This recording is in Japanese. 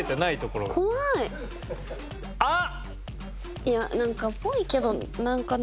あっ。